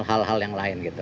hal hal yang lain gitu